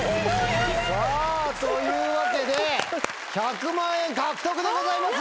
さぁというわけで１００万円獲得でございます！